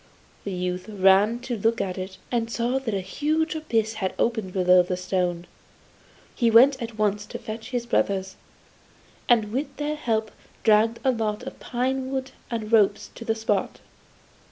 The youth ran to look at it, and saw that a huge abyss had opened below the stone. He went at once to fetch his brothers, and with their help dragged a lot of pine wood and ropes to the spot.